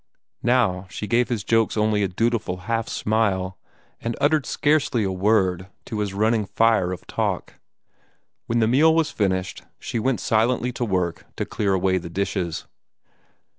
Now she gave his jokes only a dutiful half smile, and uttered scarcely a word in response to his running fire of talk. When the meal was finished, she went silently to work to clear away the dishes.